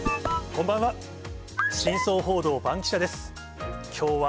こんばんは。